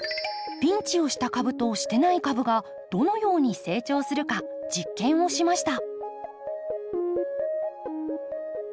ピンチをした株としていない株がどのように成長するか実験をしました。